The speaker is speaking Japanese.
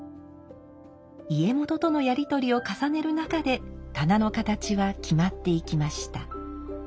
家元とのやり取りを重ねる中で棚の形は決まっていきました。